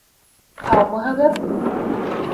— Һаумыһығыҙ?